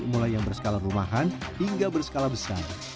mulai yang berskala rumahan hingga berskala besar